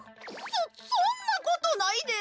そそんなことないで。